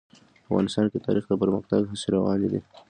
افغانستان کې د تاریخ د پرمختګ هڅې روانې دي.